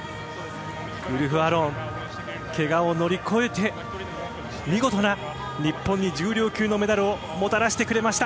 ウルフ・アロンけがを乗り越えて見事な日本に重量級のメダルをもたらしてくれました。